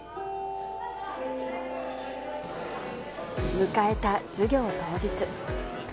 迎えた授業当日。